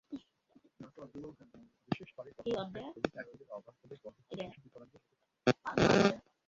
বিশেষ করে গর্ভাবস্থায় ফলিক অ্যাসিডের অভাব হলে গর্ভস্থ শিশু বিকলাঙ্গ হতে পারে।